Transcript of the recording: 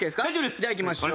じゃあいきましょう。